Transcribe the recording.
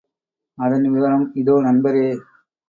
அதன் விவரம் இதோ நண்பரே!